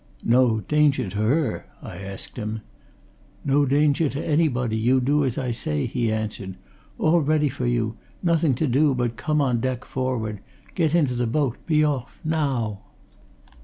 "No danger to her?" I asked him. "No danger to anybody, you do as I say," he answered. "All ready for you nothing to do but come on deck, forward; get into the boat, be off. Now!"